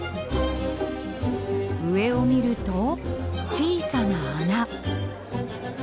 上を見ると小さな穴。